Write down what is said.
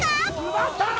奪ったー！